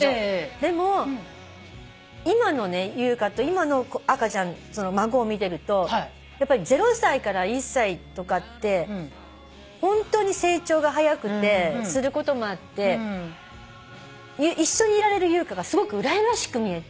でも今のね優香と今の孫を見てるとやっぱり０歳から１歳とかってホントに成長が早くてすることもあって一緒にいられる優香がすごくうらやましく今見えるのね。